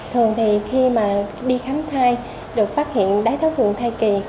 thường thì khi mà đi khám thai được phát hiện đáy tháo đường thai kỳ